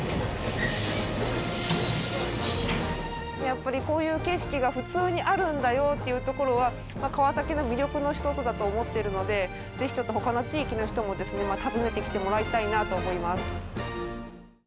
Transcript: やっぱりこういう景色が普通にあるんだよっていうところは川崎の魅力の１つだと思っているので、ぜひ、ちょっとほかの地域の人もですね訪ねてきてもらいたいなと思います。